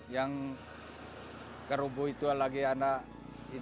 yang kerubuh itu lagi ada tsunami